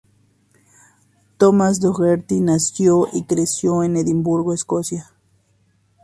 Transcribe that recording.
Thomas Doherty nació y creció en Edimburgo, Escocia.